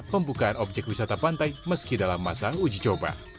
pembukaan objek wisata pantai meski dalam masa uji coba